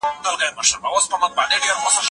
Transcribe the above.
شاګرد کولای سي چي له خپل استاد سره مخالفت وکړي.